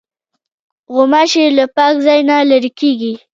غوماشې له پاک ځای نه لیري کېږي.